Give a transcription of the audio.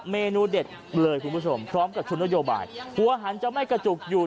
เมนูเด็ดเลยคุณผู้ชมพร้อมกับชุดนโยบายหัวหันจะไม่กระจุกอยู่